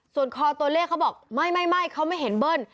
ส่วนคอตัวเลขเขาบอกไม่เขาไม่เห็นเบิ้ล